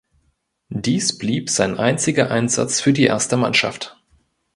Dies blieb sein einziger Einsatz für die erste Mannschaft.